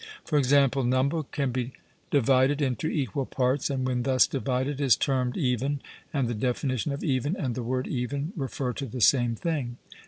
For example, number can be divided into equal parts, and when thus divided is termed even, and the definition of even and the word 'even' refer to the same thing.